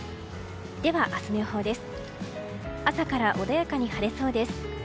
では明日の予報です。